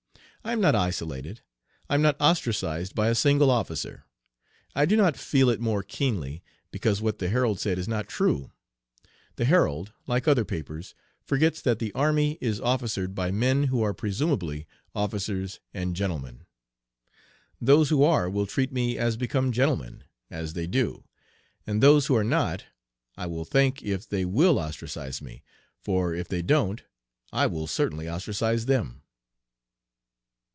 I am not isolated. I am not ostracized by a single officer. I do not "feel it more keenly," because what the Herald said is not true. The Herald, like other papers, forgets that the army is officered by men who are presumably officers and gentlemen. Those who are will treat me as become gentlemen, as they do, and those who are not I will thank if they will "ostracize" me, for if they don't I will certainly "ostracize" them.